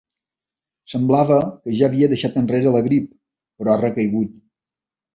Semblava que ja havia deixat enrere la grip, però ha recaigut.